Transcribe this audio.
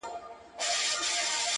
• د سترگو توري په کي به دي ياده لرم،